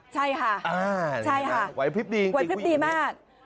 ใช่ค่ะใช่ค่ะไหวพลิบดีไหวพลิบดีมาก